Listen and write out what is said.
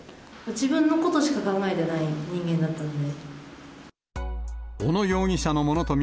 自分のことしか考えてない人間だったので。